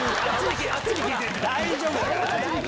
大丈夫だから。